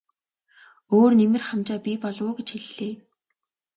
Өөр нэмэр хамжаа бий болов уу гэж хэллээ.